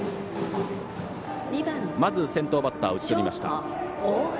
まず先頭バッター打ち取りました。